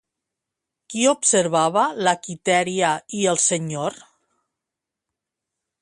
Qui observava la Quitèria i el senyor?